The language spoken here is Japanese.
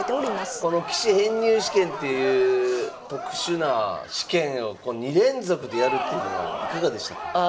この棋士編入試験っていう特殊な試験を２連続でやるっていうのはいかがでしたか？